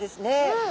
うん。